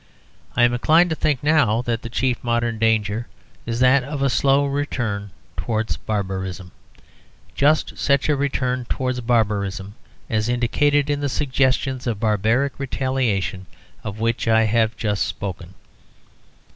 I am inclined to think now that the chief modern danger is that of a slow return towards barbarism, just such a return towards barbarism as is indicated in the suggestions of barbaric retaliation of which I have just spoken.